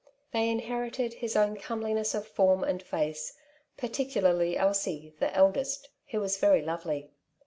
They inherited his own comeliness of' form and face, particularly Elsie, the eldest, who was very lovely.